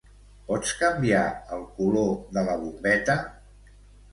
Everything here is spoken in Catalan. Pots canviar el color de la bombeta?